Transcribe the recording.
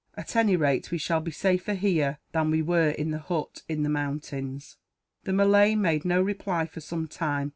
At any rate, we shall be safer, here, than we were in that hut in the mountains." The Malay made no reply, for some time.